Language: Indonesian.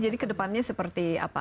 jadi kedepannya seperti apa